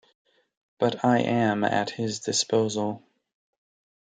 But I am at his disposal.